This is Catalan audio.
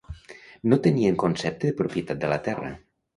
No tenien concepte de propietat de la terra.